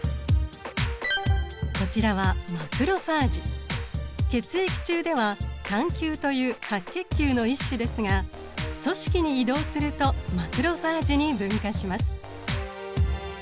こちらは血液中では単球という白血球の一種ですが組織に移動するとマクロファージに分化します。